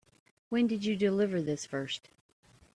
When did you deliver this first?